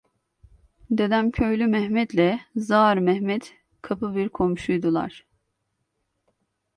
Dedemköylü Mehmet'le Zağar Mehmet kapı bir komşuydular.